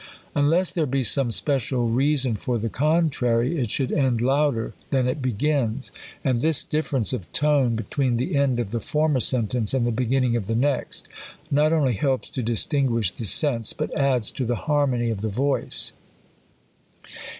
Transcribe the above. Unless there be some special reason for the contrarj', it should end louder than it begins. And this diifercnce of tone between the end of the former sentence and the beginning of the next, not only hclp^ to distinguish the sense, but adds to the harmony of tlie voice.